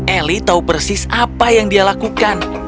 eli tahu persis apa yang dia lakukan